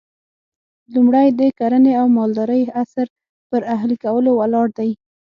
لومړی د کرنې او مالدارۍ عصر پر اهلي کولو ولاړ دی